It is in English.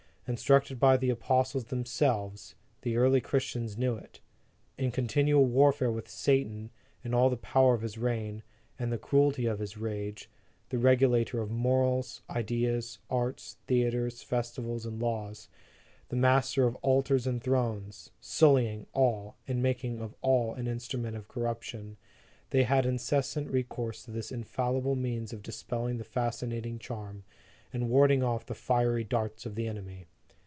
Instructed by the apostles themselves, the early Christians knew it. In continual warfare with Satan in all the power of his reign, and the cruelty of his rage; the regulator of morals, ideas, arts, theatres, festivals, and laws; the master of altars and thrones, sullying all, and making of all an instrument of corruption, they had incessant recourse to this infallible means of dispelling the fascinating charm, and ward ing off the fiery darts of the enemy.